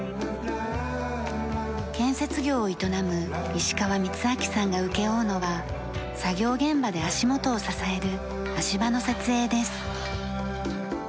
建設業を営む石川光昭さんが請け負うのは作業現場で足元を支える足場の設営です。